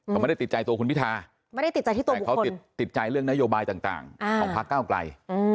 เขาไม่ได้ติดใจตัวคุณพิธาแต่เขาติดใจเรื่องนโยบายต่างของพักก้าวไกล